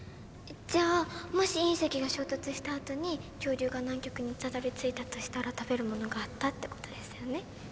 じゃあもし隕石が衝突したあとに恐竜が南極にたどりついたとしたら食べるものがあったってことですよね？